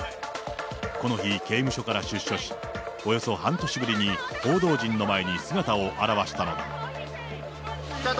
この日、刑務所から出所し、およそ半年ぶりに報道陣の前に姿を現したのだ。